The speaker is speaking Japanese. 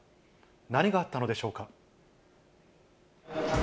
何があったのでしょうか。